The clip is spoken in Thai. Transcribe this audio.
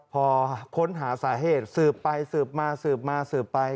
พอค้นหาสาเหตุสืบไปสืบมาสืบมาสืบไป